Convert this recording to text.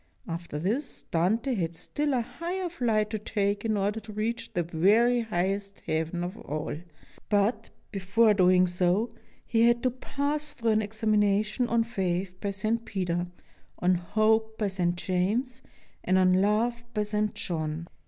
After this, Dante had still a higher flight to take in order to reach the very highest Heaven of all, but, be fore doing so, he had to pass through an examination on Faith by St. Peter, on Hope by St. James, and on Love by St. John.